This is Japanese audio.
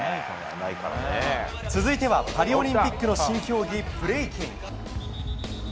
続いてはパリオリンピックの新競技ブレイキン。